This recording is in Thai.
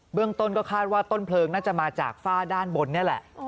เรื่องต้นก็คาดว่าต้นเพลิงน่าจะมาจากฝ้าด้านบนนี่แหละ